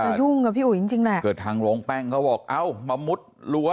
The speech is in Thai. มันจะยุ่งกับพี่อุ๋ยจริงแหละเกิดทางล้องแป้งเขาบอกเอ้ามามุดลัว